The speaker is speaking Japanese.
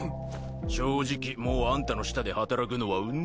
正直もうあんたの下で働くのはうんざりだわ。